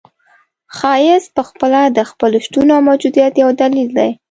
ښایست پخپله د خپل شتون او موجودیت یو دلیل دی.